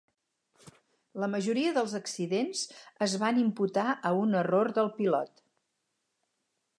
La majoria dels accidents es van imputar a un error del pilot.